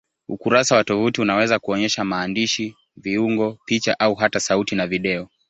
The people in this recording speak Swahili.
Ukurasa wa tovuti unaweza kuonyesha maandishi, viungo, picha au hata sauti na video.